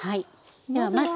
ではまず。